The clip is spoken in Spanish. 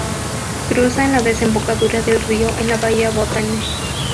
Cruza en la desembocadura del río en la bahía Botany.